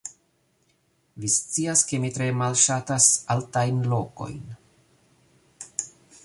Vi scias ke mi tre malŝatas altajn lokojn